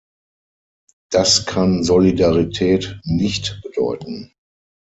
Das kann Solidarität nicht bedeuten.